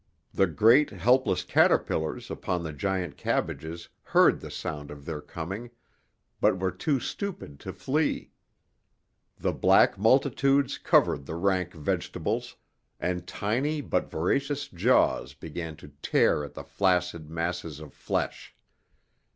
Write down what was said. The great helpless caterpillars upon the giant cabbages heard the sound of their coming, but were too stupid to flee. The black multitudes covered the rank vegetables, and tiny but voracious jaws began to tear at the flaccid masses of flesh.